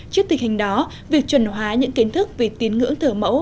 trước tình hình đó việc chuẩn hóa những kiến thức về tín ngưỡng thờ mẫu